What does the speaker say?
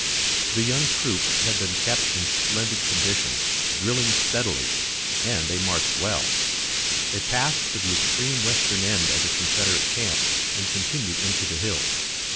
The young troops had been kept in splendid condition, drilling steadily, and they marched well. They passed to the extreme western end of the Confederate camp, and continued into the hills.